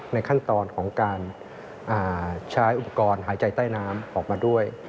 ในขั้นตอนของการใช้อุปกรณ์หายใจใต้น้ำออกมาด้วย